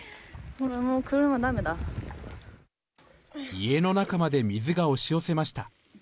家の中まで水が押し寄せました。